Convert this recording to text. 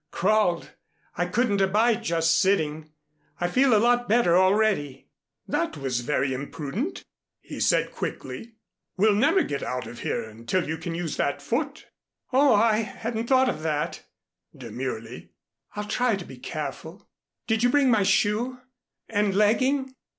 "Crawled. I couldn't abide just sitting. I feel a lot better already." "That was very imprudent," he said quickly. "We'll never get out of here until you can use that foot." "Oh! I hadn't thought of that," demurely. "I'll try to be careful. Did you bring my shoe and legging?"